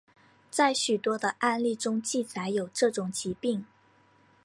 在许多的案例中记载有这种疾病。